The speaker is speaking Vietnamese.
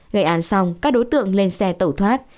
gây án xong các đối tượng lên xe tẩu thoát